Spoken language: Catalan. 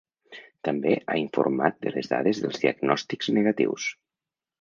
També ha informat de les dades dels diagnòstics negatius.